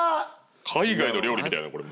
海外の料理みたいやなこれ。